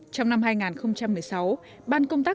trong năm hai nghìn một mươi sáu ban công tác